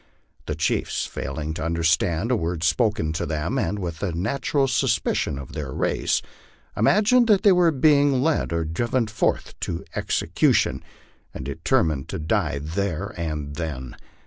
The chiefs, failing to understand a word spoken to them, and with the natural suspicion of their race, imagined that they were being led or driven forth to execution, and determined to die there and then.